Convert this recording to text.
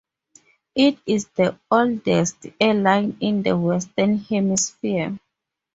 It is the oldest airline in the Western Hemisphere.